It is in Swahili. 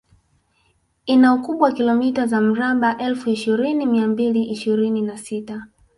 Ina ukubwa wa kilomita za mraba elfu ishirini mia mbili ishirini na sita